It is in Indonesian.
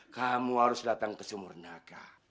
kamu harus datang ke sumur naga